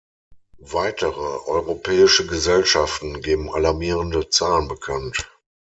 Weitere europäische Gesellschaften geben alarmierende Zahlen bekannt.